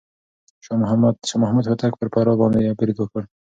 شاه محمود هوتک پر فراه باندې بريد وکړ.